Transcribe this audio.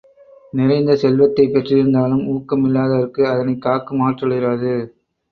நிறைந்த செல்வத்தைப் பெற்றிருந்தாலும் ஊக்கம் இல்லாதவருக்கு அதனைக் காக்கும் ஆற்றல் இராது.